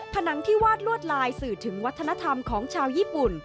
ผนังที่วาดลวดลายสื่อถึงวัฒนธรรมของชาวญี่ปุ่น